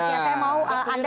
saya mau anda